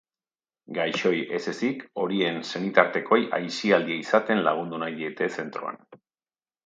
Gaixoei ez ezik, horien senitartekoei aisialdia izaten lagundu nahi diete zentroan.